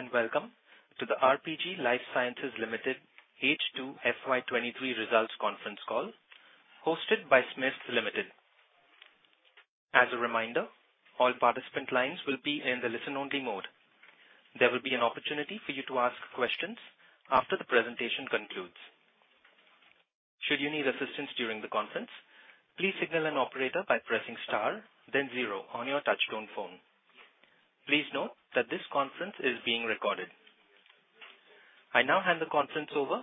Ladies and gentlemen, good day and welcome to the RPG Life Sciences Limited H2 FY 2023 results conference call hosted by SMIFS Limited. As a reminder, all participant lines will be in the listen-only mode. There will be an opportunity for you to ask questions after the presentation concludes. Should you need assistance during the conference, please signal an operator by pressing star then 0 on your touch-tone phone. Please note that this conference is being recorded. I now hand the conference over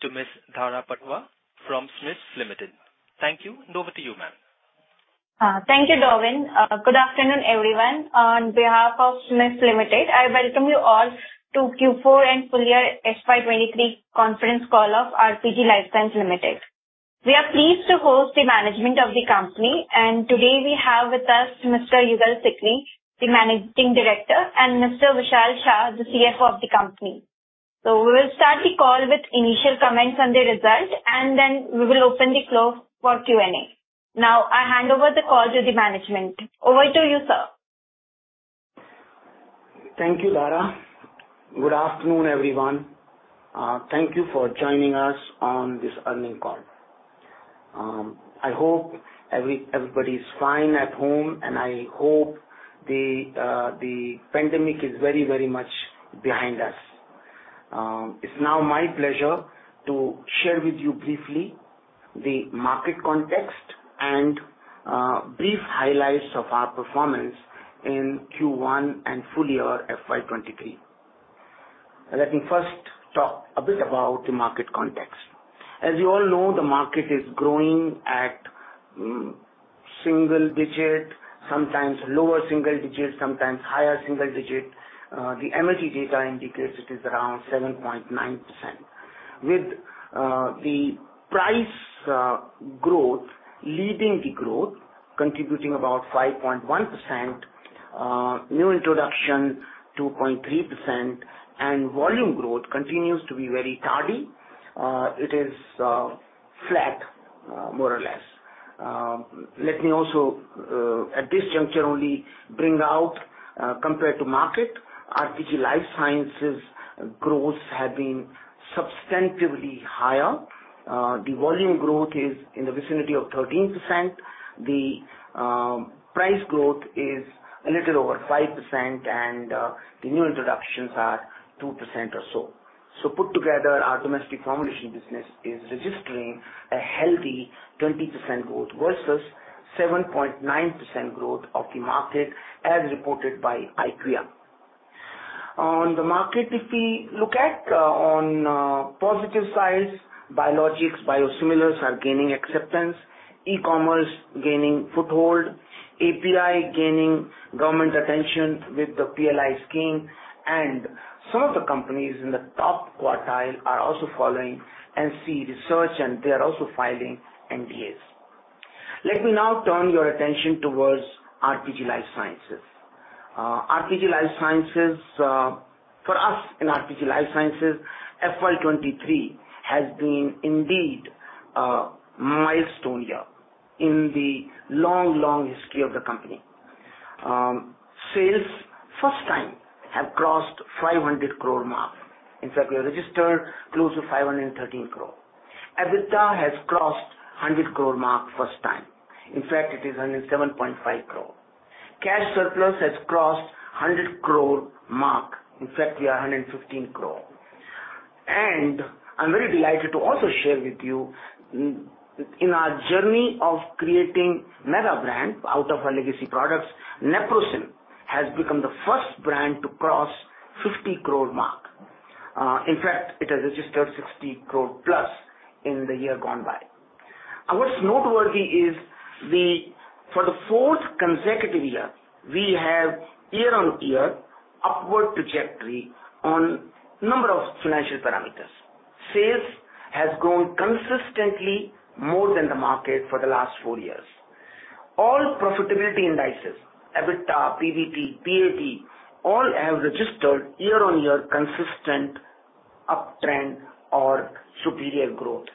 to Ms. Dhara Patwa from SMIFS Limited. Thank you, and over to you, ma'am. Thank you, Darwin. Good afternoon, everyone. On behalf of SMIFS Limited, I welcome you all to Q4 and full year FY 2023 conference call of RPG Life Sciences Limited. We are pleased to host the management of the company, and today we have with us Mr. Yugal Sikri, the Managing Director, and Mr. Vishal Shah, the CFO of the company. We will start the call with initial comments on the results, and then we will open the floor for Q&A. I hand over the call to the management. Over to you, sir. Thank you, Dhara. Good afternoon, everyone. Thank you for joining us on this earning call. I hope everybody is fine at home, and I hope the pandemic is very much behind us. It's now my pleasure to share with you briefly the market context and brief highlights of our performance in Q1 and full year FY 2023. Let me first talk a bit about the market context. As you all know, the market is growing at single digit, sometimes lower single digit, sometimes higher single digit. The MAT data indicates it is around 7.9%, with the price growth leading the growth, contributing about 5.1%, new introduction 2.3%, and volume growth continues to be very tardy. It is flat, more or less. Let me also, at this juncture only bring out, compared to market, RPG Life Sciences growth have been substantively higher. The volume growth is in the vicinity of 13%. The price growth is a little over 5%, and the new introductions are 2% or so. Put together, our domestic formulation business is registering a healthy 20% growth versus 7.9% growth of the market as reported by IQVIA. On the market, if we look at, on positive sides, biologics, biosimilars are gaining acceptance, e-commerce gaining foothold, API gaining government attention with the PLI scheme, and some of the companies in the top quartile are also following NCE research, and they are also filing NDAs. Let me now turn your attention towards RPG Life Sciences. RPG Life Sciences, for us in RPG Life Sciences, FY23 has been indeed a milestone year in the long, long history of the company. Sales first time have crossed 500 crore mark. In fact, we have registered close to 513 crore. EBITDA has crossed 100 crore mark first time. In fact, it is 107.5 crore. Cash surplus has crossed 100 crore mark. In fact, we are 115 crore. I'm very delighted to also share with you in our journey of creating mega brand out of our legacy products, Neprosin has become the first brand to cross 50 crore mark. In fact, it has registered 60 crore plus in the year gone by. What's noteworthy is for the 4th consecutive year, we have year-on-year upward trajectory on number of financial parameters. Sales has grown consistently more than the market for the last 4 years. All profitability indices, EBITDA, PBT, PAT, all have registered year-on-year consistent uptrend or superior growth.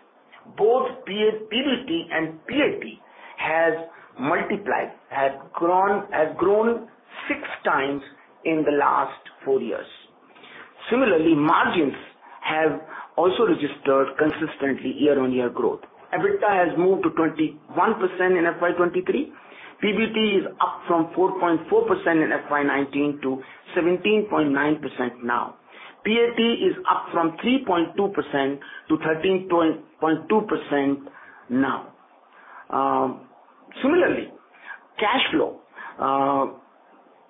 Both PBT and PAT has multiplied, has grown 6 times in the last 4 years. Similarly, margins have also registered consistently year-on-year growth. EBITDA has moved to 21% in FY 2023. PBT is up from 4.4% in FY 2019 to 17.9% now. PAT is up from 3.2% to 13.2% now. Similarly, cash flow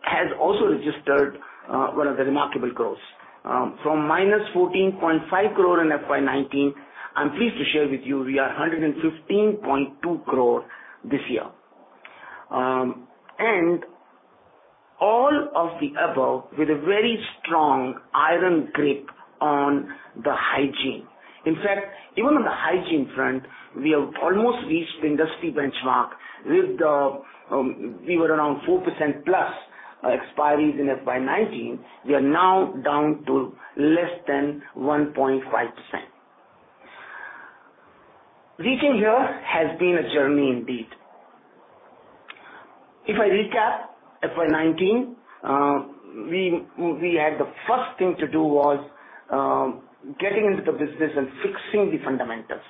has also registered one of the remarkable growths. From -14.5 crore in FY19, I'm pleased to share with you we are 115.2 crore this year. All of the above with a very strong iron grip on the hygiene. In fact, even on the hygiene front, we have almost reached industry benchmark with the, we were around 4%+ expiries in FY19. We are now down to less than 1.5%. Reaching here has been a journey indeed. If I recap FY19, we had the first thing to do was getting into the business and fixing the fundamentals.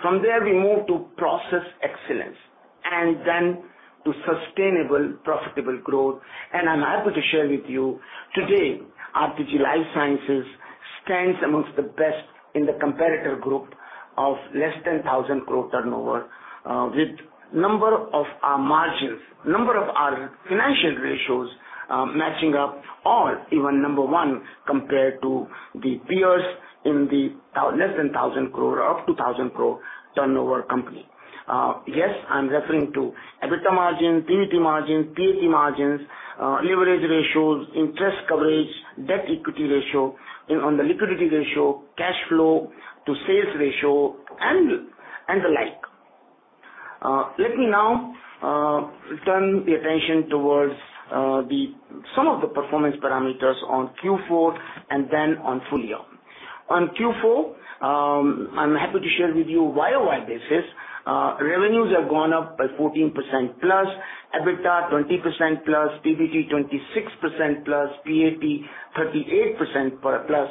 From there, we moved to process excellence and then to sustainable, profitable growth. I'm happy to share with you today, RPG Life Sciences stands amongst the best in the competitor group of less than 1,000 crore turnover, with number of our margins, number of our financial ratios, matching up or even number one, compared to the peers in the less than 1,000 crore or up to 1,000 crore turnover company. Yes, I'm referring to EBITDA margin, PBT margin, PAT margins, leverage ratios, interest coverage, debt equity ratio, and on the liquidity ratio, cash flow to sales ratio and the like. Let me now turn the attention towards the some of the performance parameters on Q4 and then on full year. On Q4, I'm happy to share with you YOY basis. Revenues have gone up by 14% plus, EBITDA 20% plus, PBT 26% plus, PAT 38% per plus.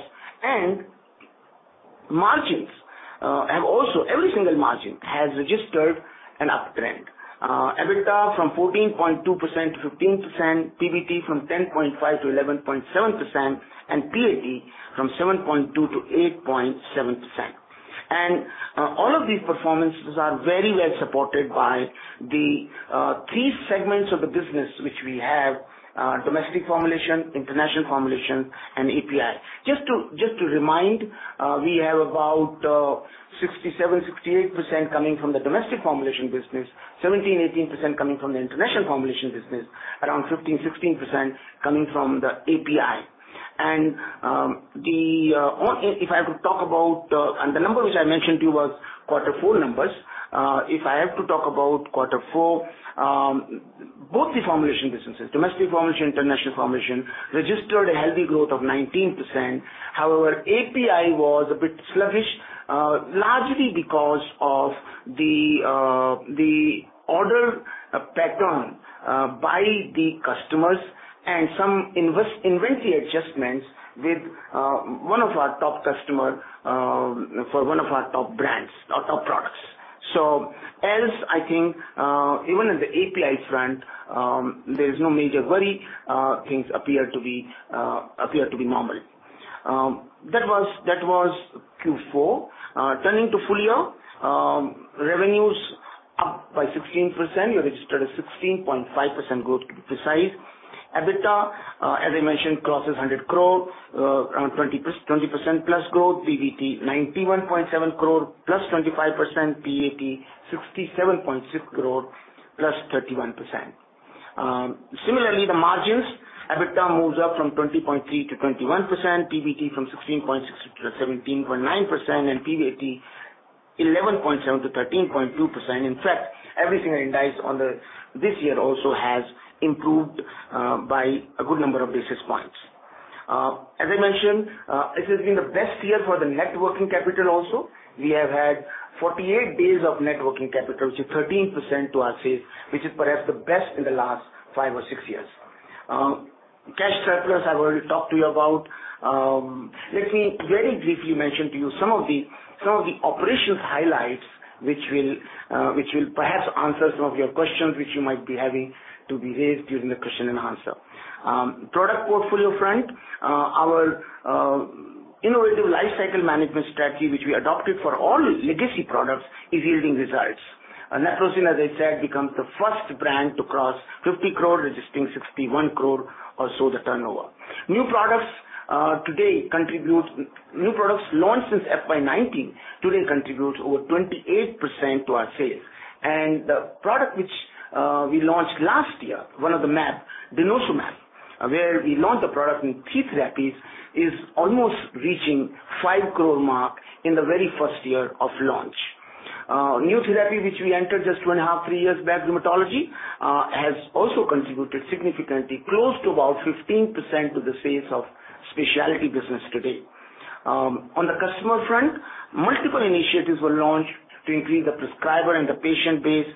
Margins have also every single margin has registered an uptrend. EBITDA from 14.2% to 15%, PBT from 10.5% to 11.7%, and PAT from 7.2% to 8.7%. All of these performances are very well supported by the three segments of the business which we have, domestic formulation, international formulation, and API. Just to remind, we have about 67%-68% coming from the domestic formulation business, 17%-18% coming from the international formulation business, around 15%-16% coming from the API. If I have to talk about, the number which I mentioned to you wasQ4 numbers. If I have to talk aboutQ4, both the formulation businesses, domestic formulation, international formulation, registered a healthy growth of 19%. API was a bit sluggish, largely because of the order pattern by the customers and some inventory adjustments with one of our top customer for one of our top brands or top products. Else I think, even in the APIs front, there's no major worry. Things appear to be normal. That was Q4. Turning to full year. Revenues up by 16%. We registered a 16.5% growth to be precise. EBITDA, as I mentioned, crosses 100 crore, around 20% plus growth. PBT 91.7 crore plus 25%. PAT 67.6 crore plus 31%. Similarly, the margins, EBITDA moves up from 20.3% to 21%. PBT from 16.6% to 17.9%. PBAT 11.7% to 13.2%. In fact, every single index this year also has improved by a good number of basis points. As I mentioned, this has been the best year for the net working capital also. We have had 48 days of net working capital, which is 13% to our sales, which is perhaps the best in the last five or six years. Cash surplus, I've already talked to you about. Let me very briefly mention to you some of the operations highlights which will perhaps answer some of your questions, which you might be having to be raised during the question and answer. Product portfolio front, our innovative lifecycle management strategy, which we adopted for all legacy products, is yielding results. Neprosin, as I said, becomes the first brand to cross 50 crore, registering 61 crore or so the turnover. New products launched since FY19 today contribute over 28% to our sales. The product which we launched last year, one of the mAbs, Denosumab, where we launched the product in key therapies, is almost reaching 5 crore mark in the very first year of launch. New therapy, which we entered just two and a half, three years back, dermatology, has also contributed significantly, close to about 15% to the sales of specialty business today. On the customer front, multiple initiatives were launched to increase the prescriber and the patient base.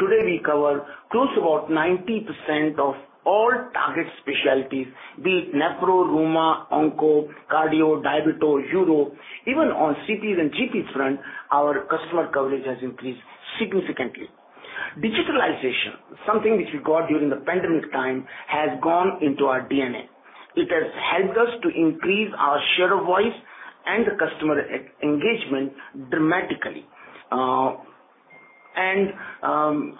Today we cover close to about 90% of all target specialties, be it Nephro, Rheuma, Onco, Cardio, Diabet or Uro. Even on CT and GP front, our customer coverage has increased significantly. Digitalization, something which we got during the pandemic time, has gone into our DNA. It has helped us to increase our share of voice and the customer en-engagement dramatically.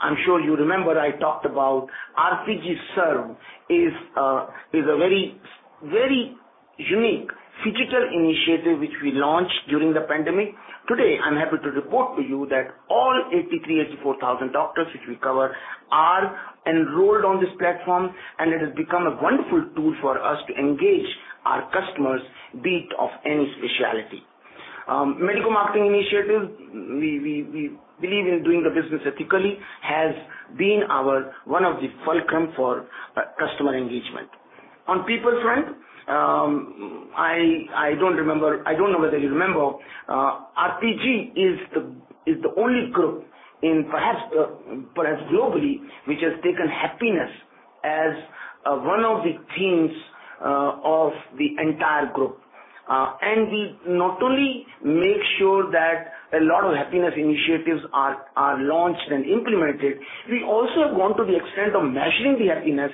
I'm sure you remember I talked about RPG Serve is a very, very unique phygital initiative which we launched during the pandemic. Today, I'm happy to report to you that all 83,000-84,000 doctors which we cover are enrolled on this platform. It has become a wonderful tool for us to engage our customers, be it of any specialty. Medical marketing initiative, we believe in doing the business ethically, has been our one of the fulcrum for customer engagement. On people's front, I don't know whether you remember, RPG is the only group in perhaps globally, which has taken happiness as one of the themes of the entire group. We not only make sure that a lot of happiness initiatives are launched and implemented, we also have gone to the extent of measuring the happiness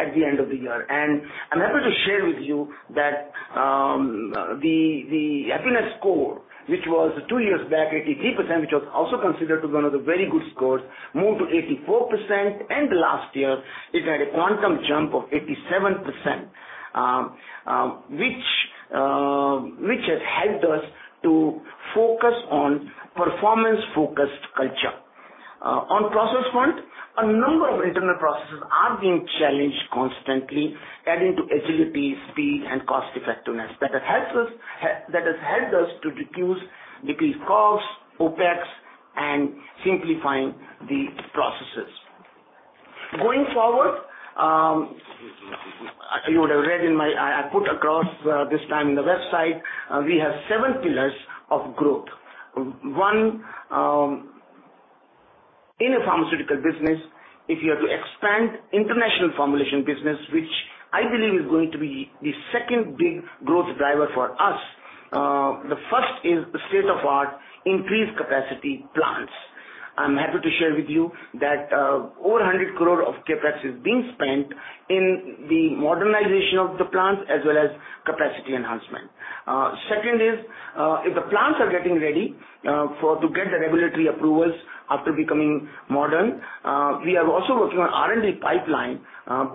at the end of the year. I'm happy to share with you that the happiness score, which was 2 years back 83%, which was also considered to be one of the very good scores, moved to 84%, and last year it had a quantum jump of 87%. Which has helped us to focus on performance-focused culture. On process front, a number of internal processes are being challenged constantly, adding to agility, speed and cost effectiveness. That has helped us to reduce, decrease costs, OpEx, and simplifying the processes. Going forward, you would have read in my... I put across this time in the website, we have seven pillars of growth. One, in a pharmaceutical business, if you are to expand international formulation business, which I believe is going to be the second big growth driver for us, the first is the state of art increased capacity plants. I'm happy to share with you that over 100 crore of CapEx is being spent in the modernization of the plants as well as capacity enhancement. Second is, if the plants are getting ready for to get the regulatory approvals after becoming modern, we are also working on R&D pipeline.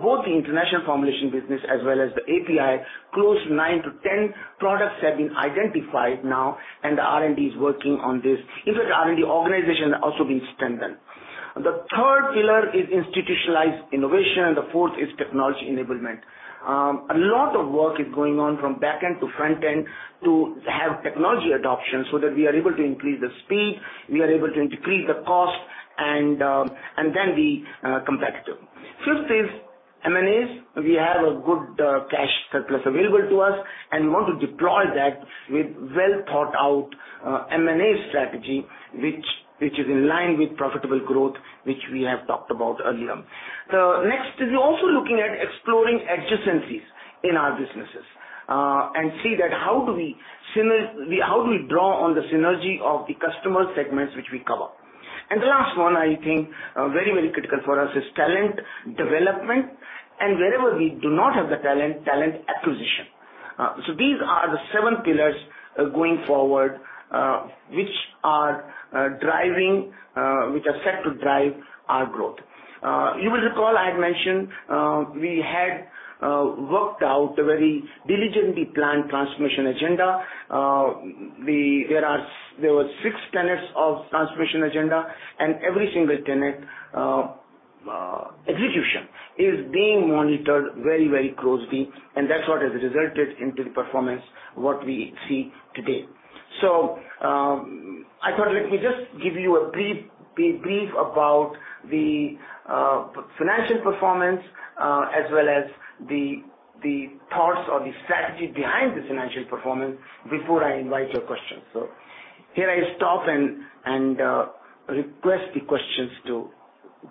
Both the international formulation business as well as the API, close 9-10 products have been identified now, and the R&D is working on this. In fact, the R&D organization has also been strengthened. The third pillar is institutionalized innovation, the fourth is technology enablement. A lot of work is going on from back end to front end to have technology adoption, so that we are able to increase the speed, we are able to decrease the cost and then be competitive. Fifth is M&As. We have a good cash surplus available to us and want to deploy that with well-thought-out M&A strategy which is in line with profitable growth, which we have talked about earlier. The next is we're also looking at exploring adjacencies in our businesses and see that how do we draw on the synergy of the customer segments which we cover. The last one I think are very, very critical for us is talent development, and wherever we do not have the talent acquisition. So these are the seven pillars going forward, which are driving, which are set to drive our growth. You will recall I had mentioned, we had worked out a very diligently planned transformation agenda. We... There were six tenets of transformation agenda, and every single tenet, execution is being monitored very, very closely, and that's what has resulted into the performance what we see today. I thought let me just give you a brief about the financial performance, as well as the thoughts or the strategy behind this financial performance before I invite your questions. Here I stop and request the questions to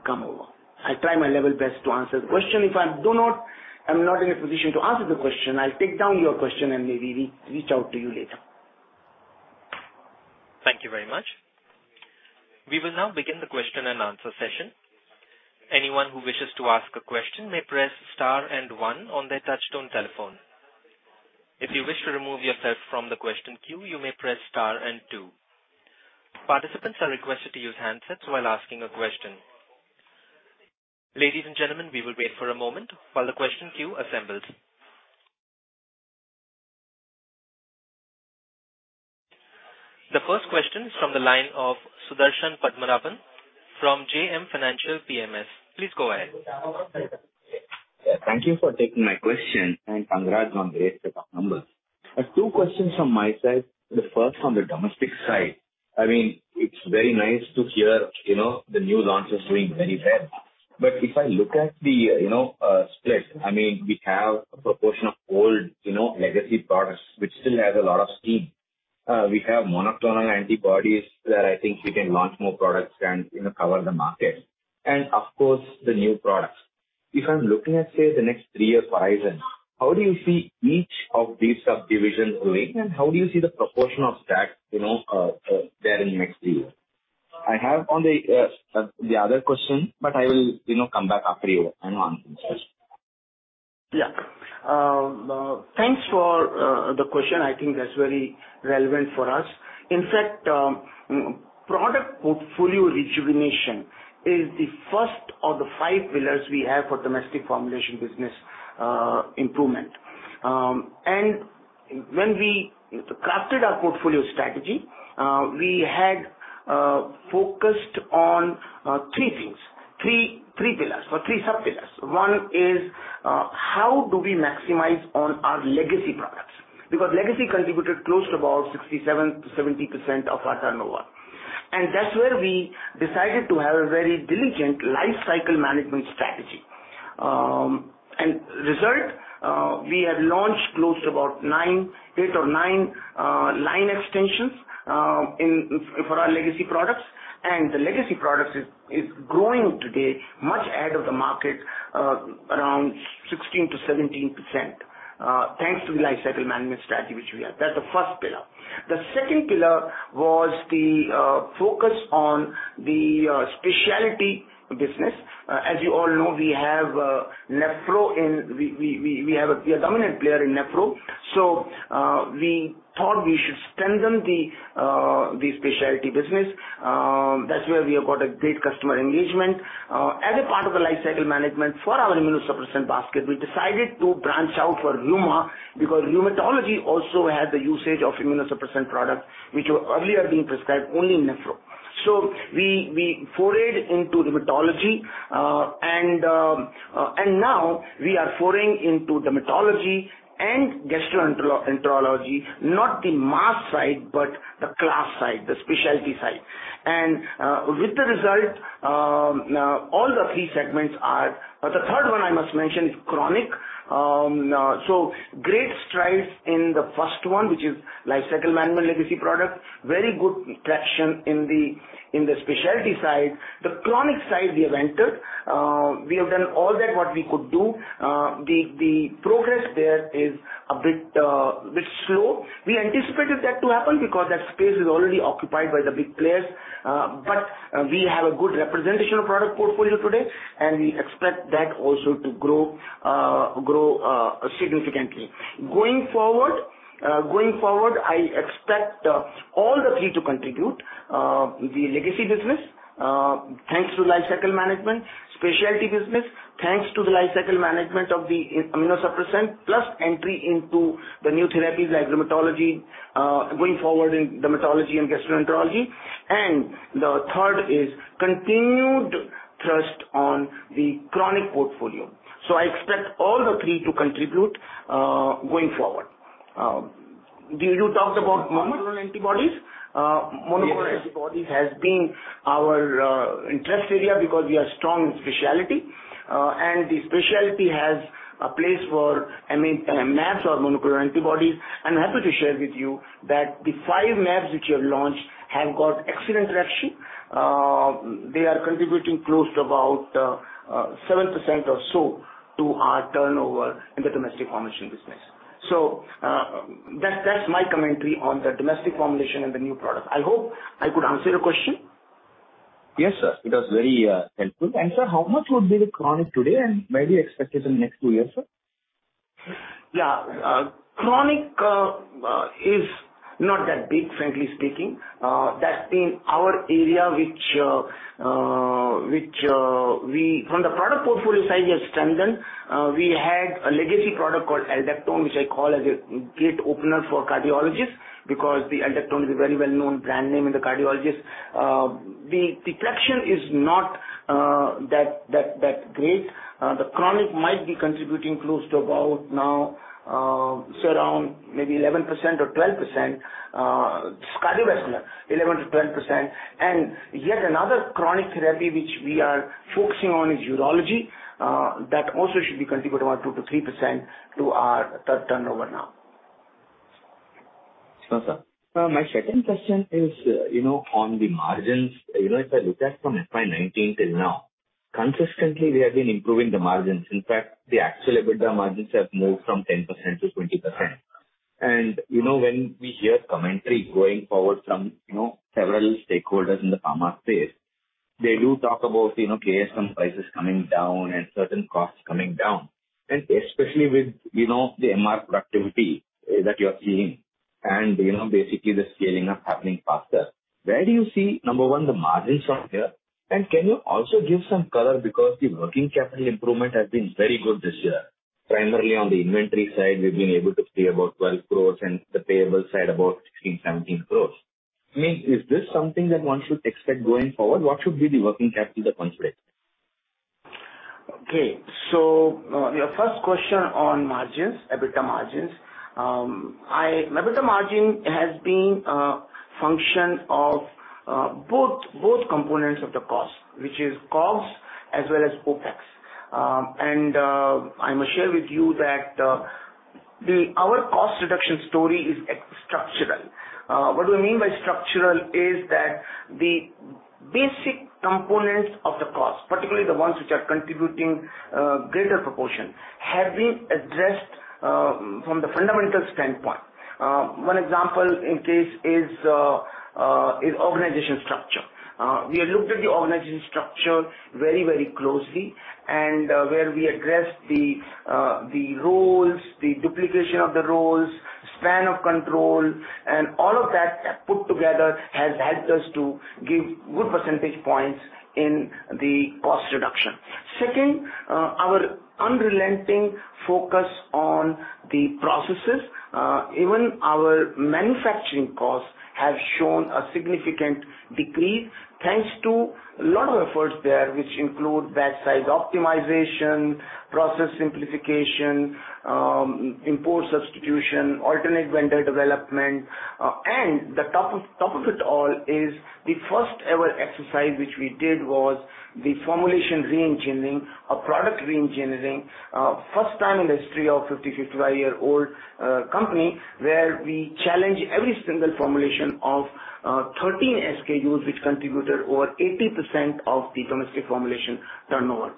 come over. I try my level best to answer the question. If I do not, I'm not in a position to answer the question, I'll take down your question and maybe re-reach out to you later. Thank you very much. We will now begin the question and answer session. Anyone who wishes to ask a question may press star and one on their touchtone telephone. If you wish to remove yourself from the question queue, you may press star and two. Participants are requested to use handsets while asking a question. Ladies and gentlemen, we will wait for a moment while the question queue assembles. The first question is from the line of Sudarshan Padmanabhan from JM Financial PMS. Please go ahead. Yeah. Thank you for taking my question, and congrats on the set of numbers. I have 2 questions from my side. The first on the domestic side. I mean, it's very nice to hear, you know, the new launches doing very well. If I look at the, you know, split, I mean, we have a proportion of old, you know, legacy products which still has a lot of steam. We have monoclonal antibodies that I think we can launch more products and, you know, cover the market. Of course, the new products. If I'm looking at, say, the next 3-year horizon, how do you see each of these subdivisions doing and how do you see the proportion of that, you know, there in the next 3 years? I have on the other question, but I will, you know, come back after you have answered this. Yeah. Thanks for the question. I think that's very relevant for us. In fact, product portfolio rejuvenation is the first of the 5 pillars we have for domestic formulation business improvement. When we crafted our portfolio strategy, we had focused on 3 things, 3 pillars or 3 sub-pillars. One is, how do we maximize on our legacy products? Because legacy contributed close to about 67%-70% of our turnover. And that's where we decided to have a very diligent life cycle management strategy. Result, we have launched close to about 9, 8 or 9 line extensions for our legacy products. The legacy products is growing today much ahead of the market, around 16%-17%, thanks to the life cycle management strategy, which we have. That's the first pillar. The second pillar was the focus on the specialty business. As you all know, we're a dominant player in Nephro. We thought we should strengthen the specialty business. That's where we have got a great customer engagement. As a part of the life cycle management for our immunosuppressant basket, we decided to branch out for Rheuma because rheumatology also has the usage of immunosuppressant product, which were earlier being prescribed only in Nephro. We forayed into rheumatology. Now we are foraying into dermatology and gastroenterology, not the mass side, but the class side, the specialty side. With the result, all the three segments are... The third one I must mention is chronic. Great strides in the first one, which is life cycle management legacy product. Very good traction in the, in the specialty side. The chronic side we have entered. We have done all that what we could do. The progress there is a bit slow. We anticipated that to happen because that space is already occupied by the big players. We have a good representational product portfolio today, and we expect that also to grow significantly. Going forward, I expect all the three to contribute. The legacy business, thanks to life cycle management. Specialty business, thanks to the life cycle management of the immunosuppressant, plus entry into the new therapies like dermatology, going forward in dermatology and gastroenterology. The third is continued thrust on the chronic portfolio. I expect all the three to contribute, going forward. Did you talk about monoclonal antibodies? Yes, sir. Monoclonal antibodies has been our interest area because we are strong in specialty. The specialty has a place for MAbs or monoclonal antibodies. I'm happy to share with you that the 5 MAbs which we have launched have got excellent traction. They are contributing close to about 7% or so to our turnover in the domestic formulation business. That's my commentary on the domestic formulation and the new product. I hope I could answer your question. Yes, sir. It was very helpful. Sir, how much would be the chronic today, and where do you expect it in next two years, sir? Chronic is not that big, frankly speaking. That's been our area which From the product portfolio side, we have strengthened. We had a legacy product called Aldactone, which I call as a gate opener for cardiologists because the Aldactone is a very well-known brand name in the cardiologists. The traction is not that great. The chronic might be contributing close to about now, say around maybe 11% or 12%. Cardiovascular, 11%-12%. Yet another chronic therapy which we are focusing on is urology. That also should be contributing about 2%-3% to our turnover now. Sure, sir. My second question is, you know, on the margins. You know, if I look at from FY19 till now, consistently, we have been improving the margins. In fact, the actual EBITDA margins have moved from 10% to 20%. You know, when we hear commentary going forward from, you know, several stakeholders in the pharma space, they do talk about, you know, KSM prices coming down and certain costs coming down. Especially with, you know, the MR productivity that you're seeing and, you know, basically the scaling up happening faster. Where do you see, number one, the margins from here? Can you also give some color because the working capital improvement has been very good this year. Primarily on the inventory side, we've been able to free about 12 crores and the payable side about 16 crores-17 crores. I mean, is this something that one should expect going forward? What should be the working capital constraint? Okay. Your first question on margins, EBITDA margins. EBITDA margin has been a function of both components of the cost, which is COGS as well as OpEx. I must share with you that our cost reduction story is structural. What do I mean by structural is that the basic components of the cost, particularly the ones which are contributing greater proportion, have been addressed from the fundamental standpoint. One example in case is organization structure. We have looked at the organization structure very, very closely, where we addressed the roles, the duplication of the roles, span of control, and all of that put together has helped us to give good percentage points in the cost reduction. Second, our unrelenting focus on the processes, even our manufacturing costs have shown a significant decrease thanks to a lot of efforts there, which include batch size optimization, process simplification, import substitution, alternate vendor development. The top of it all is the first ever exercise which we did was the formulation re-engineering or product re-engineering. First time in the history of 55-year-old company, where we challenge every single formulation of 13 SKUs, which contributed over 80% of the domestic formulation turnover.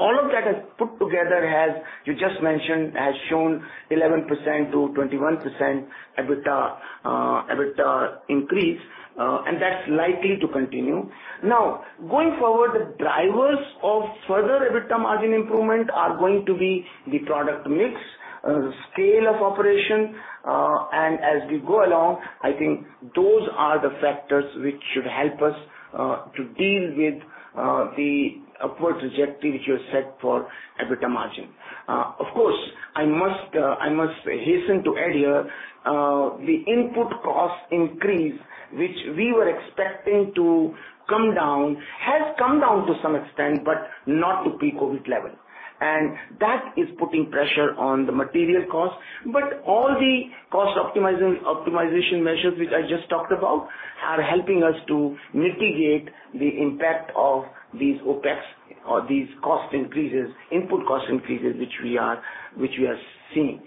All of that has put together, as you just mentioned, has shown 11%-21% EBITDA increase, and that's likely to continue. Going forward, the drivers of further EBITDA margin improvement are going to be the product mix, the scale of operation. As we go along, I think those are the factors which should help us to deal with the upward trajectory which you set for EBITDA margin. Of course, I must, I must hasten to add here, the input cost increase, which we were expecting to come down, has come down to some extent, but not to pre-COVID level. That is putting pressure on the material cost. All the cost optimization measures which I just talked about are helping us to mitigate the impact of these OpEx or these cost increases, input cost increases, which we are seeing.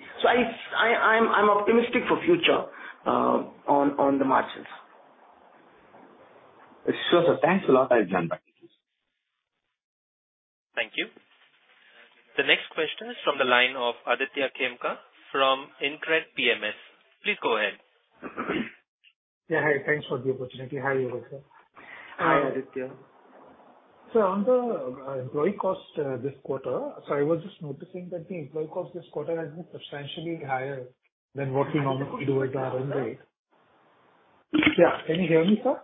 I'm optimistic for future on the margins. Sure, sir. Thanks a lot. I'll hand back. Thank you. The next question is from the line of Aditya Khemka from InCred PMS. Please go ahead. Yeah, hi. Thanks for the opportunity. Hi, Yugal, Sir. Hi, Aditya. On the employee cost this quarter, so I was just noticing that the employee cost this quarter has been substantially higher than what we normally do at our run rate. Yeah. Can you hear me, sir?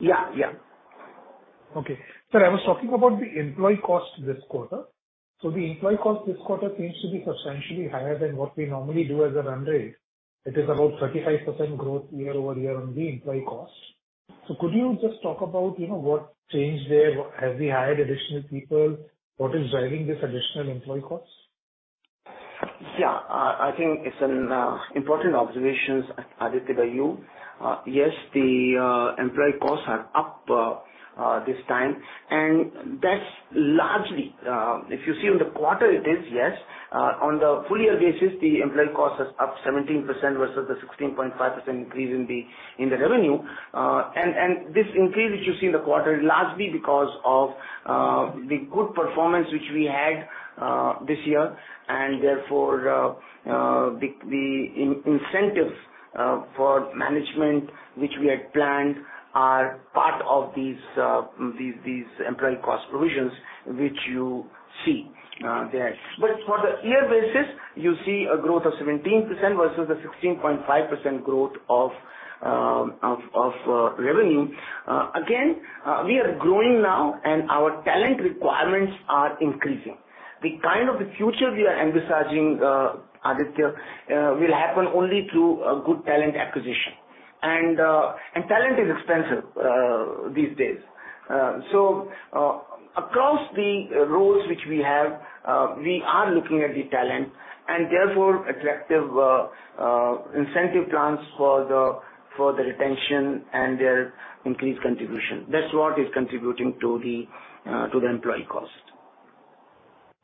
Yeah, yeah. Okay. Sir, I was talking about the employee cost this quarter. The employee cost this quarter seems to be substantially higher than what we normally do as a run rate. It is about 35% growth year-over-year on the employee cost. Could you just talk about, you know, what changed there? Have we hired additional people? What is driving this additional employee cost? Yeah. I think it's an important observations, Aditya, by you. Yes, the employee costs are up this time. That's largely if you see on the quarter it is, yes. On the full year basis, the employee cost is up 17% versus the 16.5% increase in the revenue. This increase which you see in the quarter is largely because of the good performance which we had this year. Therefore, the incentive for management which we had planned are part of these employee cost provisions which you see there. For the year basis, you see a growth of 17% versus the 16.5% growth of revenue. Again, we are growing now and our talent requirements are increasing. The kind of the future we are envisaging, Aditya, will happen only through a good talent acquisition. Talent is expensive these days. Across the roles which we have, we are looking at the talent and therefore attractive incentive plans for the retention and their increased contribution. That's what is contributing to the employee cost.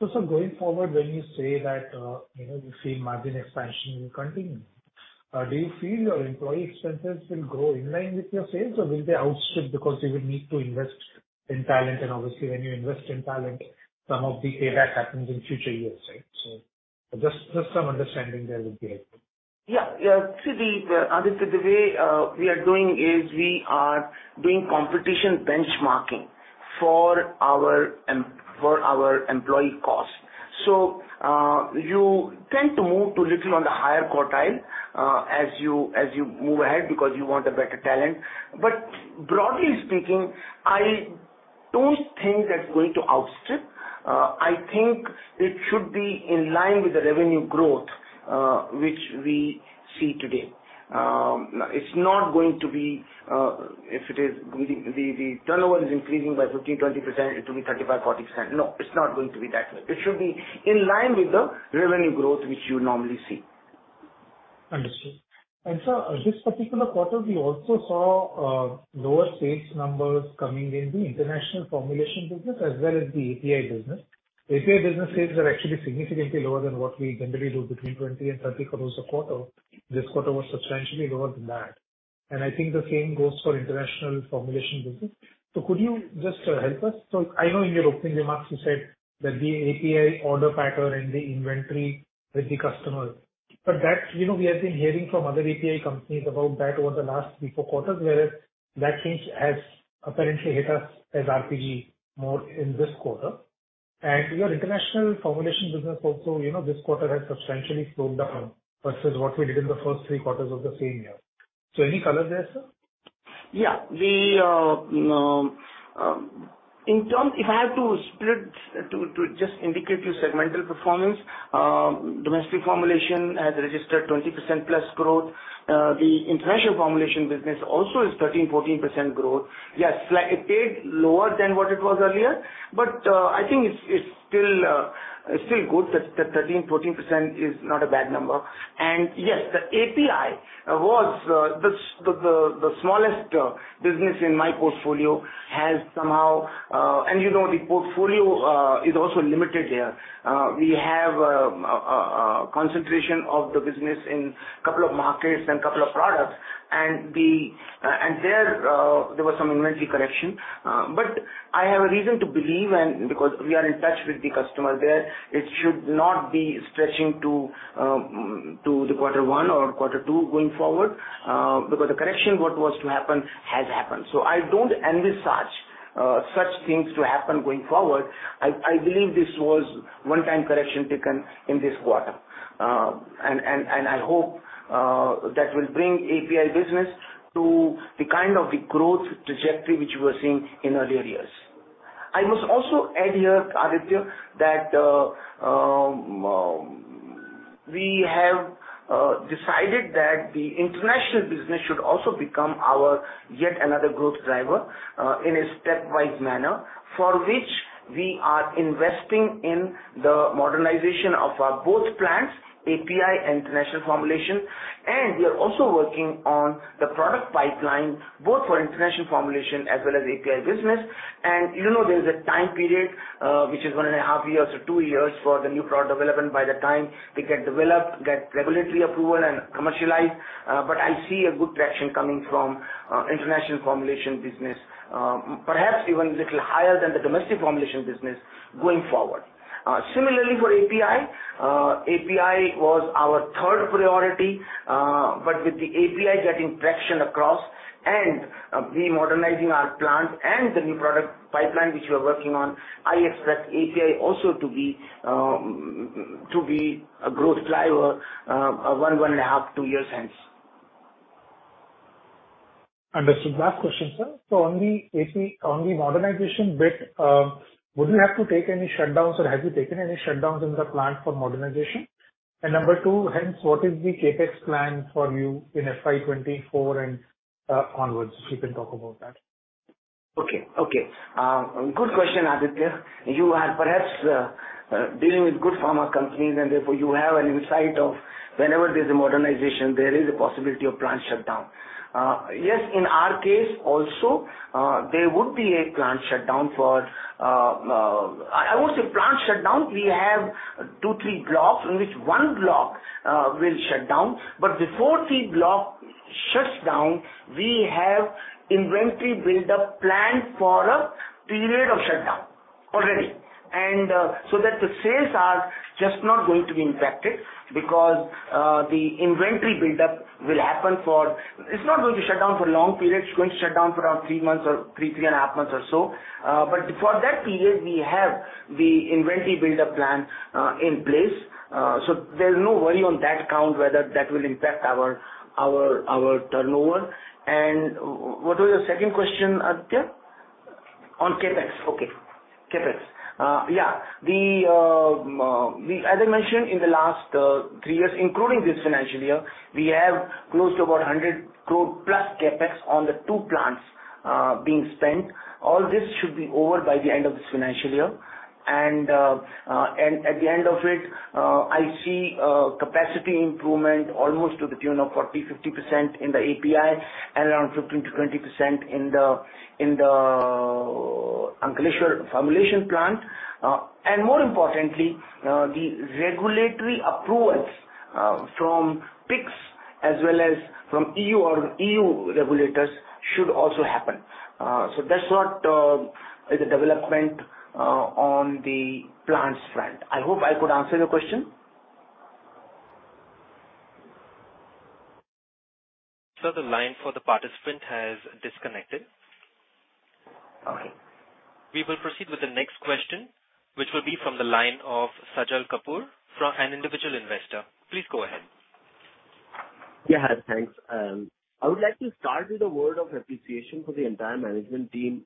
Sir, going forward, when you say that, you know, you see margin expansion will continue, do you feel your employee expenses will grow in line with your sales or will they outstrip because you would need to invest in talent and obviously when you invest in talent some of the payback happens in future years, right? Just some understanding there would be helpful. Yeah. Yeah. See the, Aditya, the way we are doing is we are doing competition benchmarking for our employee costs. You tend to move to little on the higher quartile as you move ahead because you want a better talent. Broadly speaking, I don't think that's going to outstrip. I think it should be in line with the revenue growth which we see today. It's not going to be, if it is the turnover is increasing by 15%-20%, it will be 35%-40%. No, it's not going to be that way. It should be in line with the revenue growth which you normally see. Understood. Sir, this particular quarter we also saw lower sales numbers coming in the international formulation business as well as the API business. API business sales are actually significantly lower than what we generally do between 20 crore and 30 crore a quarter. This quarter was substantially lower than that. I think the same goes for international formulation business. Could you just help us? I know in your opening remarks you said that the API order pattern and the inventory with the customer. That, you know, we have been hearing from other API companies about that over the last 3, 4 quarters, whereas that change has apparently hit us as RPG more in this quarter. Your international formulation business also, you know, this quarter has substantially slowed down versus what we did in the first 3 quarters of the same year. Any color there, sir? Yeah, we, in term, if I have to split to just indicate you segmental performance, domestic formulation has registered 20% plus growth. The international formulation business also is 13%-14% growth. Yes, it paid lower than what it was earlier, but I think it's still good. 13%-14% is not a bad number. And yes, the API was the smallest business in my portfolio has somehow... And you know, the portfolio is also limited here. We have concentration of the business in couple of markets and couple of products and there was some inventory correction. I have a reason to believe and because we are in touch with the customer there, it should not be stretching to theQ1 orQ2 going forward, because the correction what was to happen has happened. I don't envisage such things to happen going forward. I believe this was one-time correction taken in this quarter. I hope that will bring API business to the kind of the growth trajectory which you were seeing in earlier years. I must also add here, Aditya, that we have decided that the international business should also become our yet another growth driver, in a stepwise manner, for which we are investing in the modernization of our both plants, API international formulation. We are also working on the product pipeline, both for international formulation as well as API business. You know, there's a time period, which is 1.5 years or 2 years for the new product development by the time they get developed, get regulatory approval and commercialized. I see a good traction coming from international formulation business, perhaps even a little higher than the domestic formulation business going forward. Similarly for API was our third priority, but with the API getting traction across and we modernizing our plant and the new product pipeline which we are working on, I expect API also to be a growth driver 1.5, 2 years hence. Understood. Last question, sir. On the API, on the modernization bit, would you have to take any shutdowns or have you taken any shutdowns in the plant for modernization? 2, hence, what is the CapEx plan for you in FY 2024 and onwards? If you can talk about that. Okay. Okay. Good question, Aditya. You are perhaps dealing with good pharma companies, therefore you have an insight of whenever there's a modernization, there is a possibility of plant shutdown. Yes, in our case also, there would be a plant shutdown for I won't say plant shutdown. We have 2, 3 blocks in which one block will shut down. Before the block shuts down, we have inventory buildup planned for a period of shutdown already. That the sales are just not going to be impacted because the inventory buildup will happen. It's not going to shut down for long periods. It's going to shut down for around 3 months or 3 and a half months or so. For that period, we have the inventory buildup plan in place. There's no worry on that count whether that will impact our, our turnover. What was your second question, Aditya? On CapEx. Okay. CapEx. Yeah, as I mentioned, in the last three years, including this financial year, we have close to about 100 crore plus CapEx on the two plants being spent. All this should be over by the end of this financial year. At the end of it, I see capacity improvement almost to the tune of 40%-50% in the API and around 15%-20% in the Ankleshwar formulation plant. More importantly, the regulatory approvals from PIC/S as well as from EU or EU regulators should also happen. That's what is the development on the plants front. I hope I could answer your question. Sir, the line for the participant has disconnected. Okay. We will proceed with the next question, which will be from the line of Sajal Kapoor from an individual investor. Please go ahead. Hi. Thanks. I would like to start with a word of appreciation for the entire management team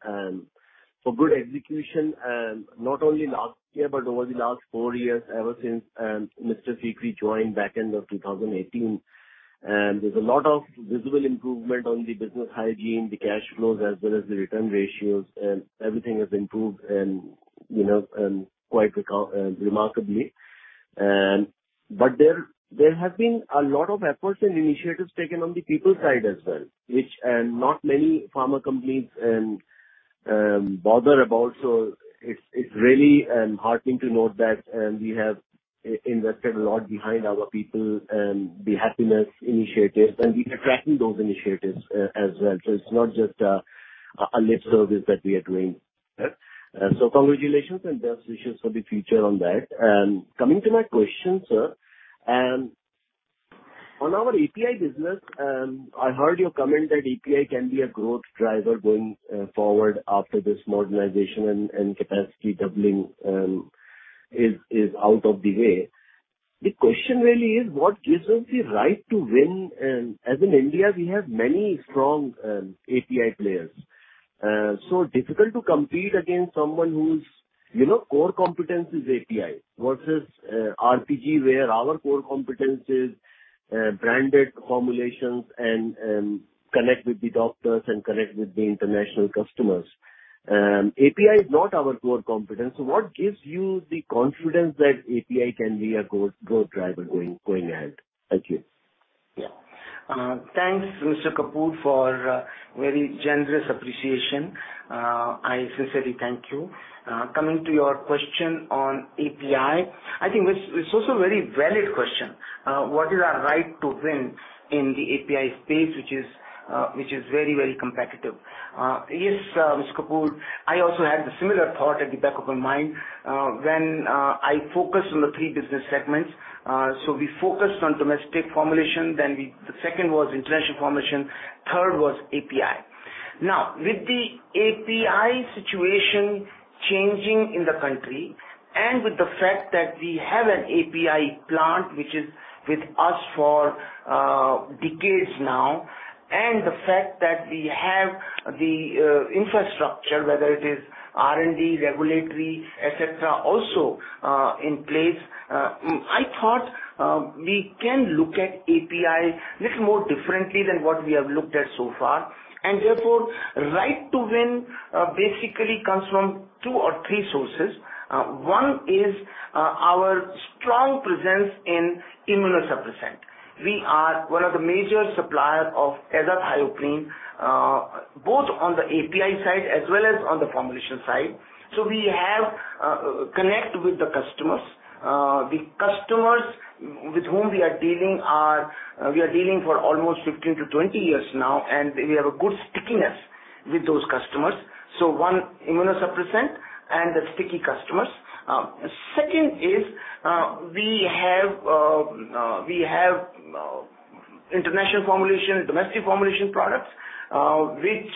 for good execution, not only last year but over the last 4 years ever since Mr. Sikri joined back end of 2018. There's a lot of visible improvement on the business hygiene, the cash flows as well as the return ratios, and everything has improved and, you know, quite remarkably. There have been a lot of efforts and initiatives taken on the people side as well, which not many pharma companies bother about. It's really heartening to note that we have invested a lot behind our people and the happiness initiatives, and we are tracking those initiatives as well. It's not just a lip service that we are doing. Congratulations and best wishes for the future on that. Coming to my question, sir. On our API business, I heard your comment that API can be a growth driver going forward after this modernization and capacity doubling is out of the way. The question really is what gives us the right to win, as in India, we have many strong API players. Difficult to compete against someone whose, you know, core competence is API versus RPG, where our core competence is branded formulations and connect with the doctors and connect with the international customers. API is not our core competence. What gives you the confidence that API can be a go-growth driver going ahead? Thank you. Yeah. Thanks, Mr. Kapoor, for very generous appreciation. I sincerely thank you. Coming to your question on API, I think it's also a very valid question. What is our right to win in the API space, which is very, very competitive? Yes, Mr. Kapoor, I also had the similar thought at the back of my mind, when I focused on the three business segments. We focused on domestic formulation, then the second was international formulation, third was API. Now, with the API situation changing in the country and with the fact that we have an API plant, which is with us for decades now, and the fact that we have the infrastructure, whether it is R&D, regulatory, et cetera, also in place, I thought we can look at API little more differently than what we have looked at so far. Therefore, right to win, basically comes from two or three sources. One is our strong presence in immunosuppressant. We are one of the major suppliers of azathioprine, both on the API side as well as on the formulation side. We have connect with the customers. The customers with whom we are dealing are, we are dealing for almost 15 to 20 years now, and we have a good stickiness with those customers. One, immunosuppressant and the sticky customers. Second is, we have international formulation, domestic formulation products, which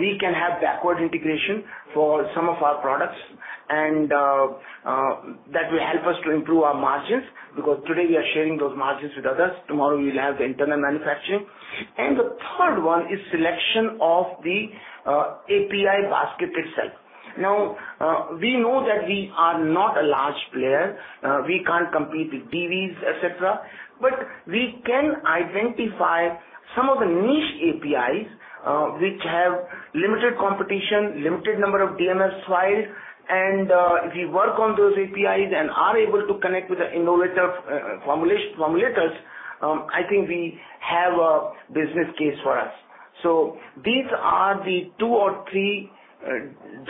we can have backward integration for some of our products and that will help us to improve our margins, because today we are sharing those margins with others, tomorrow we'll have the internal manufacturing. The third one is selection of the API basket itself. We know that we are not a large player. We can't compete with DVs, et cetera, but we can identify some of the niche APIs, which have limited competition, limited number of DMF files, and if we work on those APIs and are able to connect with the innovator, formulation, formulators, I think we have a business case for us. These are the two or three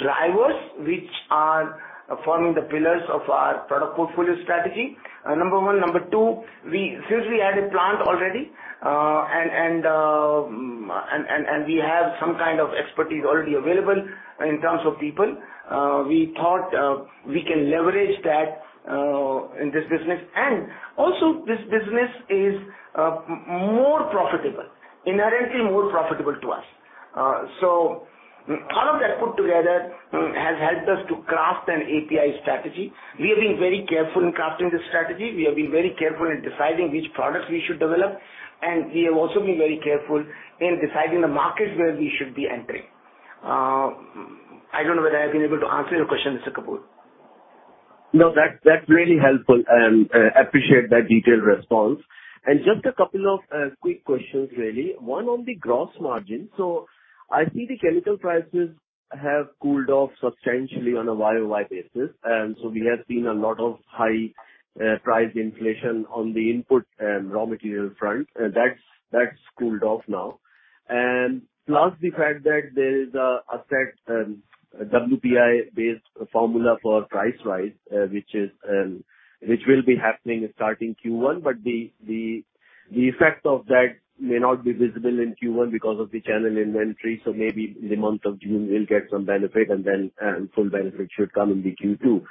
drivers which are forming the pillars of our product portfolio strategy. Number one. Number two, since we had a plant already, and we have some kind of expertise already available in terms of people, we thought we can leverage that in this business. Also this business is more profitable, inherently more profitable to us. All of that put together has helped us to craft an API strategy. We have been very careful in crafting this strategy. We have been very careful in deciding which products we should develop, and we have also been very careful in deciding the markets where we should be entering. I don't know whether I've been able to answer your question, Mr. Kapoor. No, that's really helpful, and appreciate that detailed response. Just a couple of quick questions really. One on the gross margin. I see the chemical prices have cooled off substantially on a YOY basis. We have seen a lot of high price inflation on the input and raw material front. That's cooled off now. Plus the fact that there is a set WPI-based formula for price rise, which is which will be happening starting Q1, but the effect of that may not be visible in Q1 because of the channel inventory. Maybe in the month of June we'll get some benefit and then full benefit should come in the Q2.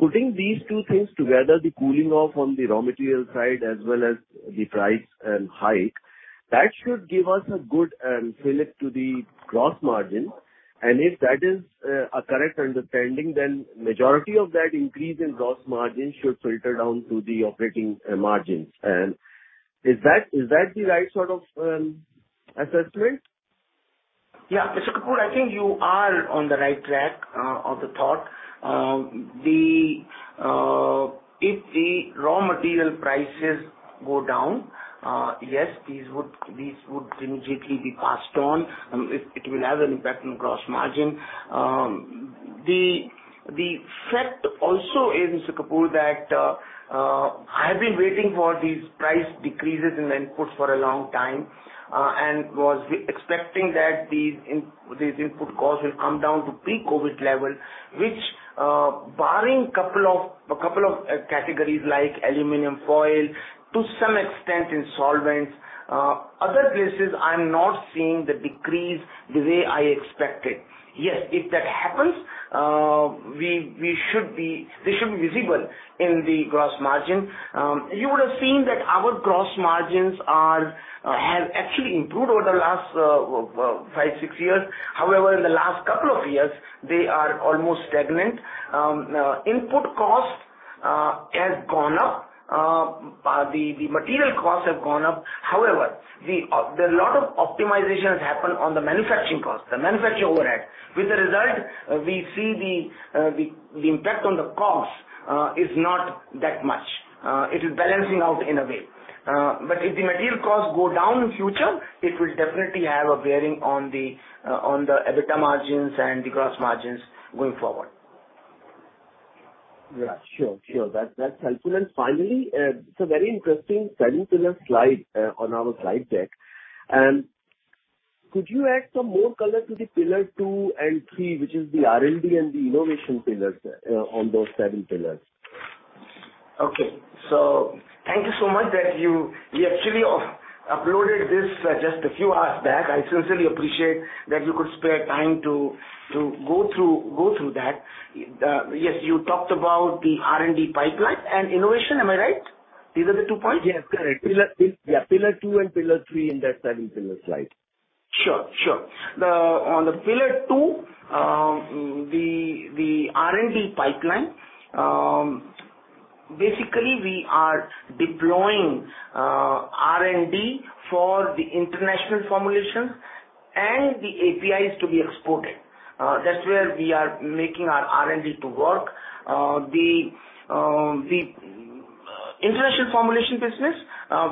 Putting these two things together, the cooling off on the raw material side as well as the price, hike, that should give us a good, fillip to the gross margin. If that is, a correct understanding, then majority of that increase in gross margin should filter down to the operating, margins. Is that the right sort of, assessment? Yeah. Mr. Kapoor, I think you are on the right track of the thought. If the raw material prices go down, yes, these would immediately be passed on. It will have an impact on gross margin. The fact also is, Mr. Kapoor, that I've been waiting for these price decreases in inputs for a long time and was expecting that these input costs will come down to pre-COVID level, which barring a couple of categories like aluminum foil to some extent in solvents, other places I'm not seeing the decrease the way I expected. Yes, if that happens, they should be visible in the gross margin. You would have seen that our gross margins are have actually improved over the last five, six years. However, in the last couple of years, they are almost stagnant. Input costs has gone up, the material costs have gone up. However, the lot of optimization has happened on the manufacturing cost, the manufacturing overhead. With the result, we see the impact on the costs is not that much. It is balancing out in a way. If the material costs go down in future, it will definitely have a bearing on the EBITDA margins and the gross margins going forward. Yeah, sure. Sure. That's helpful. Finally, it's a very interesting 7 pillar slide on our slide deck. Could you add some more color to the pillar 2 and 3, which is the R&D and the innovation pillars on those 7 pillars? Thank you so much that you... We actually uploaded this just a few hours back. I sincerely appreciate that you could spare time to go through that. Yes, you talked about the R&D pipeline and innovation. Am I right? These are the two points? Yes, correct. Pillar, yes, pillar two and pillar three in that seven pillar slide. Sure, sure. On the pillar two, the R&D pipeline, basically we are deploying R&D for the international formulations and the APIs to be exported. That's where we are making our R&D to work. The international formulation business,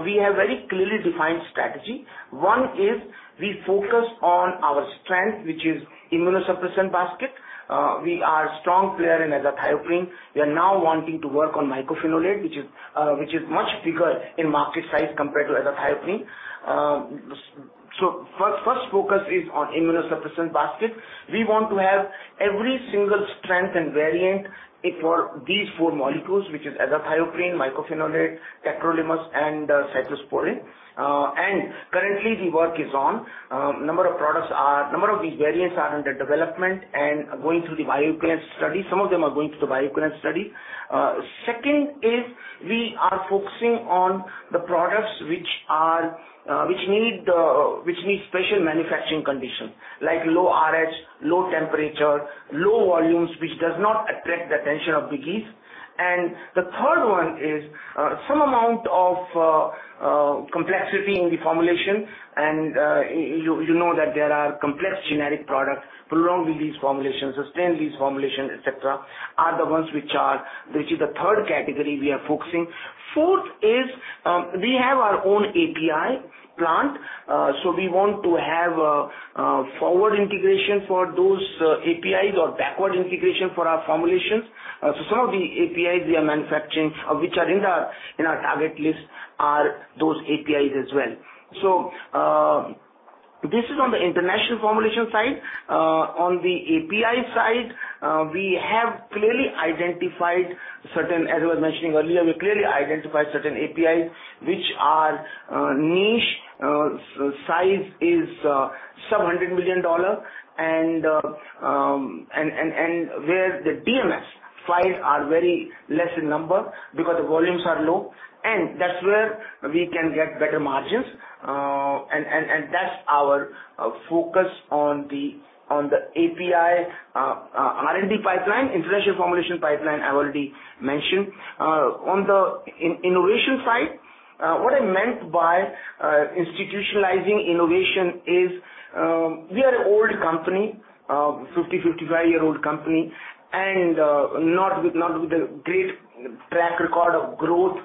we have very clearly defined strategy. One is we focus on our strength, which is immunosuppressant basket. We are strong player in azathioprine. We are now wanting to work on mycophenolate, which is much bigger in market size compared to azathioprine. First focus is on immunosuppressant basket. We want to have every single strength and variant it for these four molecules, which is azathioprine, mycophenolate, tacrolimus and cyclosporine. Currently the work is on. Number of these variants are under development and going through the bioequivalence study. Some of them are going through the bioequivalence study. Second is we are focusing on the products which need special manufacturing conditions like low RH, low temperature, low volumes, which does not attract the attention of The third one is some amount of complexity in the formulation. you know that there are complex generic products, prolonged-release formulations, sustained-release formulation, et cetera, Which is the third category we are focusing. Fourth is, we have our own API plant, we want to have a forward integration for those APIs or backward integration for our formulations. Some of the APIs we are manufacturing, which are in our target list are those APIs as well. This is on the international formulation side. On the API side, we have clearly identified certain, as I was mentioning earlier, we clearly identify certain APIs which are niche. Size is some $100 million and where the DMF files are very less in number because the volumes are low, and that's where we can get better margins. And that's our focus on the API R&D pipeline. International formulation pipeline, I've already mentioned. On the innovation side, what I meant by institutionalizing innovation is we are an old company, 50-55-year-old company and not with a great track record of growth.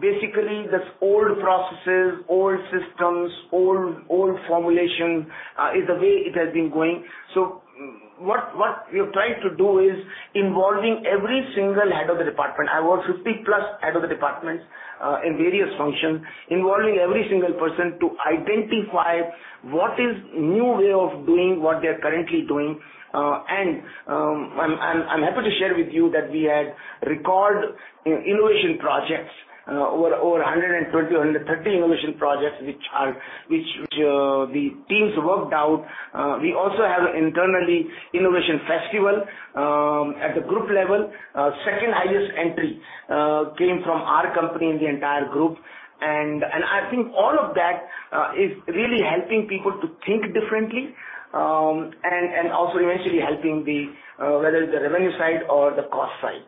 Basically, that's old processes, old systems, old formulation is the way it has been going. What we have tried to do is involving every single head of the department. I have over 50 plus head of the departments in various functions, involving every single person to identify what is new way of doing what they're currently doing. I'm happy to share with you that we had record in innovation projects, over 120, 130 innovation projects, which the teams worked out. We also have internally innovation festival at the group level. Second highest entry came from our company in the entire group. I think all of that is really helping people to think differently, and also eventually helping the whether it's the revenue side or the cost side.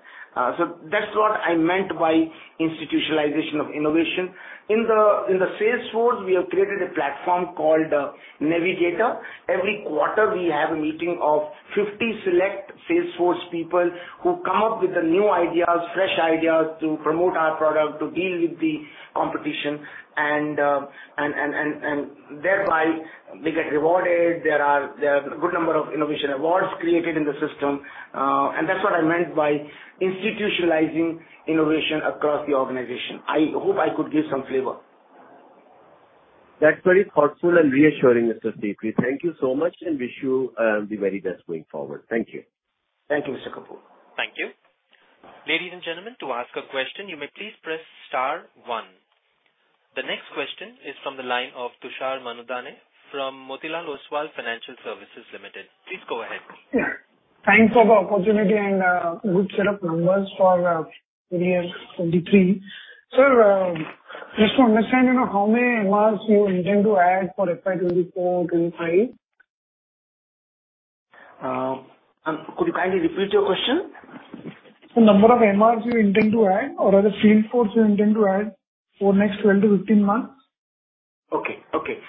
So that's what I meant by institutionalization of innovation. In the sales force, we have created a platform called Navigator. Every quarter we have a meeting of 50 select sales force people who come up with the new ideas, fresh ideas to promote our product, to deal with the competition and thereby they get rewarded. There are good number of innovation awards created in the system. That's what I meant by institutionalizing innovation across the organization. I hope I could give some flavor. That's very thoughtful and reassuring, Mr. Deepu. Thank you so much and wish you the very best going forward. Thank you. Thank you, Mr. Kapoor. Thank you. Ladies and gentlemen, to ask a question, you may please press star one. The next question is from the line of Tushar Manudhane from Motilal Oswal Financial Services Limited. Please go ahead. Yeah. Thanks for the opportunity and, good set of numbers for, FY 2023. Sir, just to understand, you know, how many MRs you intend to add for FY 2024, 2025? Could you kindly repeat your question? The number of MRs you intend to add or the field force you intend to add for next 12-15 months. Okay. Okay.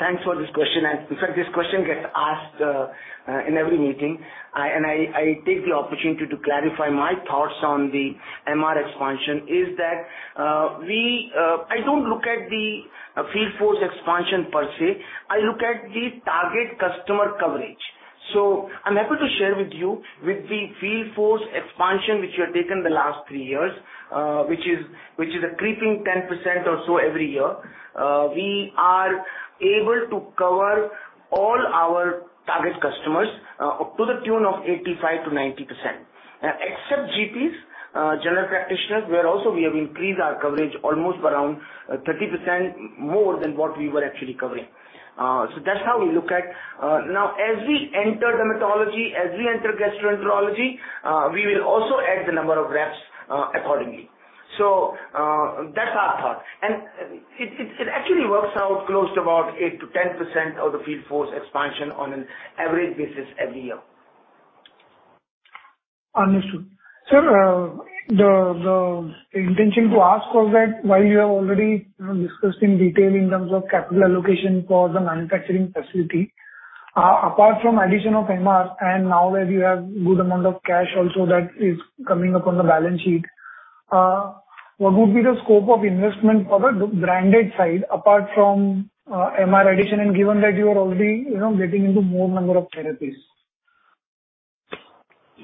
Thanks for this question. In fact, this question gets asked in every meeting. I take the opportunity to clarify my thoughts on the MR expansion is that we don't look at the field force expansion per se. I look at the target customer coverage. I'm happy to share with you with the field force expansion which we have taken the last 3 years, which is a creeping 10% or so every year, we are able to cover all our target customers up to the tune of 85%-90%. Except GPs, general practitioners, where also we have increased our coverage almost around 30% more than what we were actually covering. That's how we look at. Now as we enter dermatology, as we enter gastroenterology, we will also add the number of reps accordingly. That's our thought. It actually works out close to about 8%-10% of the field force expansion on an average basis every year. Understood. Sir, the intention to ask was that while you have already, you know, discussed in detail in terms of capital allocation for the manufacturing facility, apart from addition of MR and now that you have good amount of cash also that is coming up on the balance sheet, what would be the scope of investment for the branded side apart from MR addition and given that you are already, you know, getting into more number of therapies?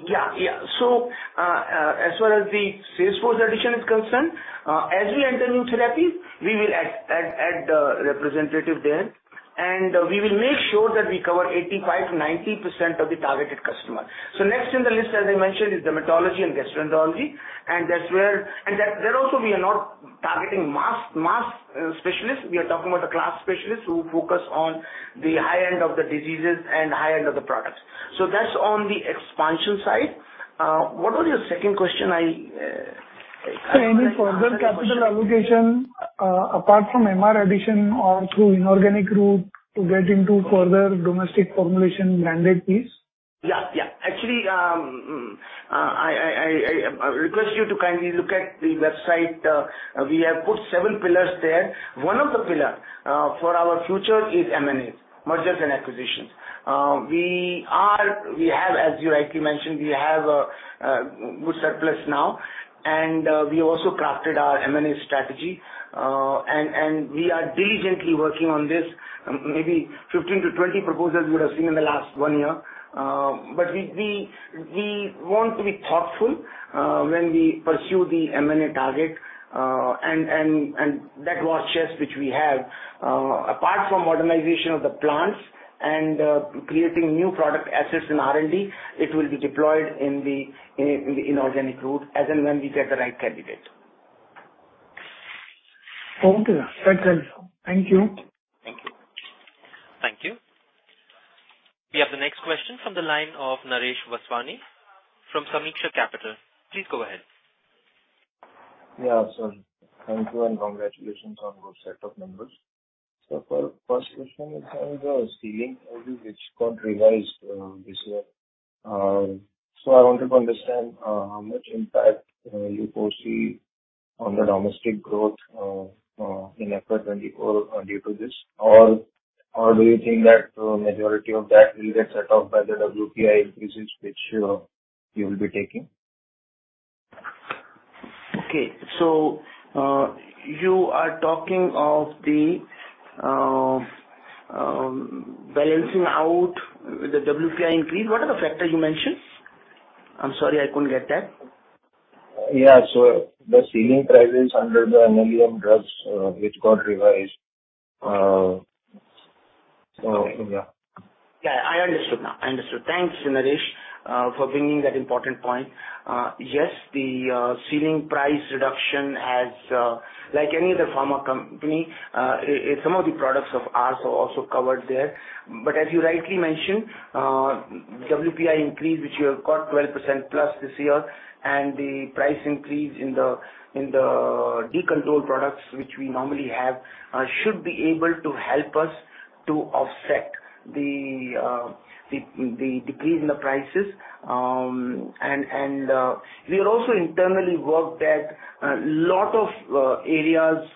Yeah. Yeah. As far as the sales force addition is concerned, as we enter new therapies, we will add representative there, and we will make sure that we cover 85%-90% of the targeted customer. Next in the list, as I mentioned, is dermatology and gastroenterology, and that there also we are not targeting mass specialists. We are talking about the class specialists who focus on the high end of the diseases and high end of the products. That's on the expansion side. What was your second question? I Sir, any further capital allocation, apart from MR addition or through inorganic route to get into further domestic formulation branded piece? Yeah. Yeah. Actually, I request you to kindly look at the website. We have put 7 pillars there. One of the pillar for our future is M&As, mergers and acquisitions. We have, as you rightly mentioned, we have a good surplus now, and we also crafted our M&A strategy. We are diligently working on this. Maybe 15 to 20 proposals we would have seen in the last 1 year. We want to be thoughtful when we pursue the M&A target. That war chest which we have, apart from modernization of the plants and creating new product assets in R&D, it will be deployed in the inorganic route as and when we get the right candidate. Okay. That's helpful. Thank you. Thank you. Thank you. We have the next question from the line of Naresh Vaswani from Sameeksha Capital. Please go ahead. Yeah, sure. Thank you, and congratulations on your set of numbers. For 1st question is on the ceiling, I believe, which got revised, this year. I wanted to understand, how much impact, you foresee on the domestic growth, in FY 2024, due to this, or do you think that, majority of that will get set off by the WPI increases which, you will be taking? Okay. You are talking of the balancing out the WPI increase. What are the factors you mentioned? I'm sorry, I couldn't get that. Yeah. the ceiling prices under the NLEM drugs, which got revised. so, yeah. Yeah, I understood now. I understood. Thanks, Naresh, for bringing that important point. Yes, the ceiling price reduction has like any other pharma company, some of the products of ours are also covered there. As you rightly mentioned, WPI increase, which you have got 12% plus this year, and the price increase in the decontrolled products, which we normally have, should be able to help us to offset the decrease in the prices. And we have also internally worked at a lot of areas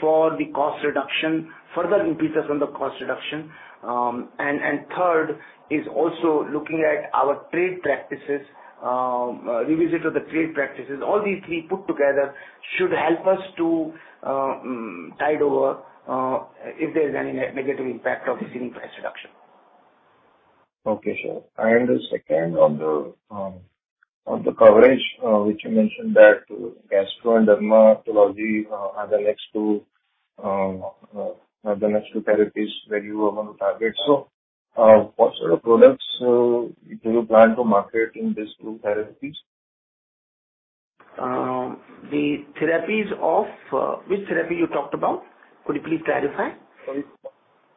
for the cost reduction, further increases on the cost reduction. Third is also looking at our trade practices, revisit of the trade practices. All these three put together should help us to tide over if there's any negative impact of the ceiling price reduction. Okay, sure. The second on the, on the coverage, which you mentioned that gastro and dermatology, are the next two therapies that you want to target. What sort of products, do you plan to market in these two therapies? Which therapy you talked about? Could you please clarify?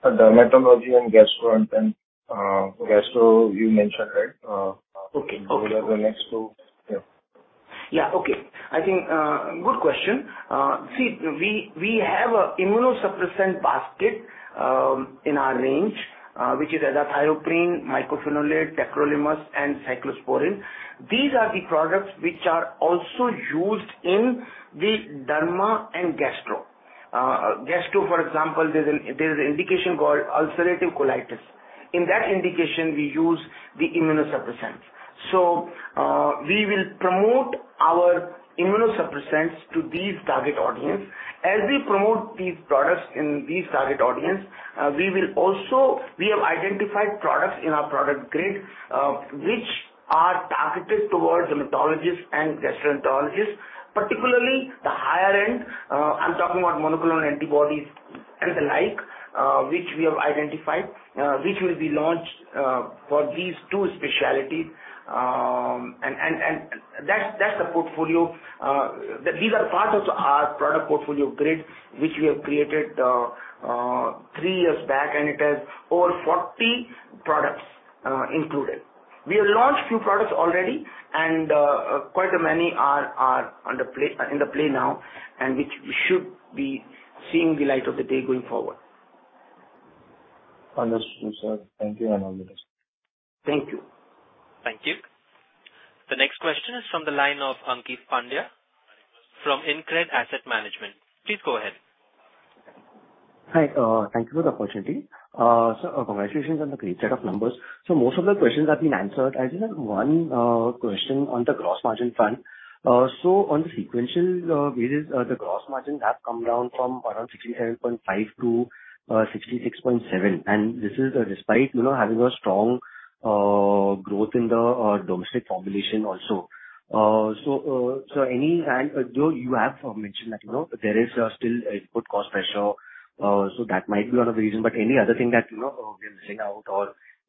Dermatology and Gastro and then, Gastro you mentioned, right? Okay. Okay. Those are the next two. Yeah. Yeah. Okay. I think, good question. See, we have a immunosuppressant basket in our range, which is azathioprine, mycophenolate, tacrolimus, and cyclosporine. These are the products which are also used in the derma and gastro. Gastro, for example, there's an indication called ulcerative colitis. In that indication we use the immunosuppressants. We will promote our immunosuppressants to these target audience. As we promote these products in these target audience, we have identified products in our product grid, which are targeted towards dermatologists and gastroenterologists, particularly the higher end, I'm talking about monoclonal antibodies and the like, which we have identified, which will be launched for these two specialties. That's the portfolio. These are part of our product portfolio grid, which we have created, 3 years back, and it has over 40 products included. We have launched few products already and, quite many are on the play, in the play now, and which should be seeing the light of the day going forward. Understood, sir. Thank you and all the best. Thank you. Thank you. The next question is from the line of Ankeet Pandya from InCred Asset Management. Please go ahead. Hi, thank you for the opportunity. Congratulations on the great set of numbers. Most of the questions have been answered. I just have 1 question on the gross margin front. On the sequential basis, the gross margin has come down from around 67.5% to 66.7%, and this is despite, you know, having a strong growth in the domestic formulation also. Though you have mentioned that, you know, there is still input cost pressure, that might be 1 of the reason, any other thing that, you know, we're missing out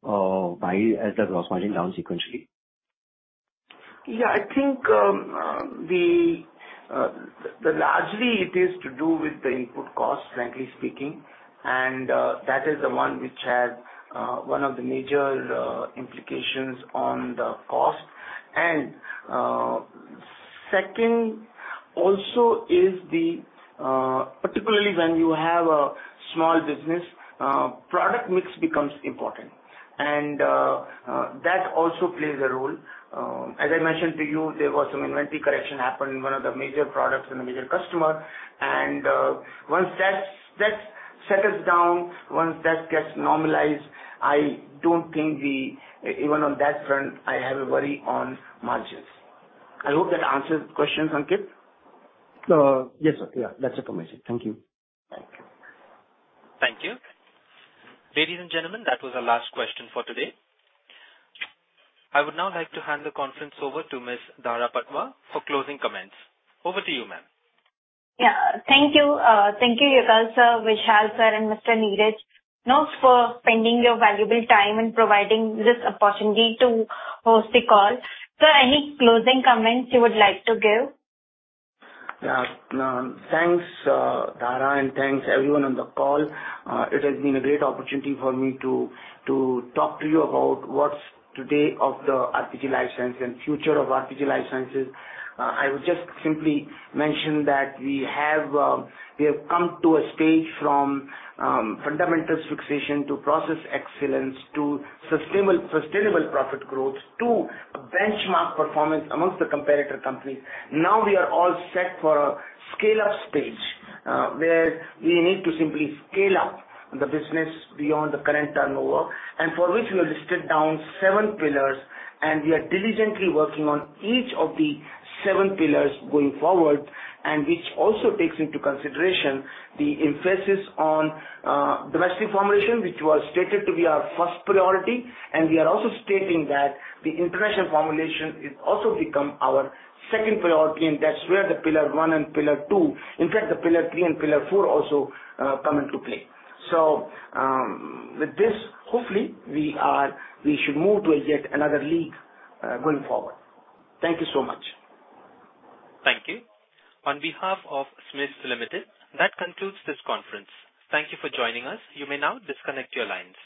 or why is the gross margin down sequentially? Yeah, I think, the largely it is to do with the input cost, frankly speaking. That is the one which has one of the major implications on the cost. Second also is the particularly when you have a small business, product mix becomes important. That also plays a role. As I mentioned to you, there was some inventory correction happened in one of the major products in a major customer. Once that settles down, once that gets normalized, I don't think we even on that front, I have a worry on margins. I hope that answers the question, Ankit. Yes, sir. That's affirmative. Thank you. Thank you. Thank you. Ladies and gentlemen, that was our last question for today. I would now like to hand the conference over to Ms. Dhara Patwa for closing comments. Over to you, ma'am. Thank you. Thank you, Yugal Sir, Vishal Sir, and Mr. Neeraj. Thanks for spending your valuable time and providing this opportunity to host the call. Sir, any closing comments you would like to give? Yeah. Thanks, Dhara, and thanks everyone on the call. It has been a great opportunity for me to talk to you about what's today of the RPG Life Sciences and future of RPG Life Sciences. I would just simply mention that we have come to a stage from fundamental fixation to process excellence to sustainable profit growth to a benchmark performance amongst the competitor companies. We are all set for a scale-up stage, where we need to simply scale up the business beyond the current turnover. For which we have listed down seven pillars, and we are diligently working on each of the seven pillars going forward, and which also takes into consideration the emphasis on domestic formulation, which was stated to be our first priority. We are also stating that the international formulation is also become our second priority, and that's where the pillar one and pillar two, in fact, the pillar three and pillar four also come into play. With this, hopefully we should move to yet another league going forward. Thank you so much. Thank you. On behalf of SMIFS Limited, that concludes this conference. Thank you for joining us. You may now disconnect your lines.